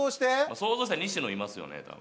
想像したら西野いますよね多分。